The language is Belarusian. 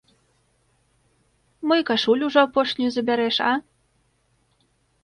Мо і кашулю ўжо апошнюю забярэш, а?